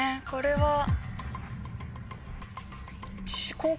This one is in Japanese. これは。